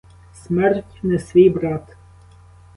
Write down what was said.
Смерть не свій брат.